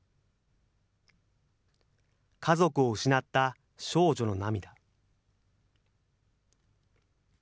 家族を失った少女の涙。